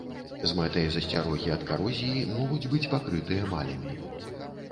З мэтай засцярогі ад карозіі могуць быць пакрыты эмалямі.